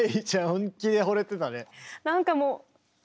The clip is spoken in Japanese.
本気でほれてたね。